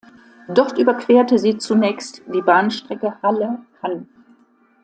Dort überquerte sie zunächst die Bahnstrecke Halle–Hann.